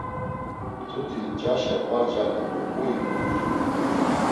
Mtuti ncaşen var calen do mu ikums?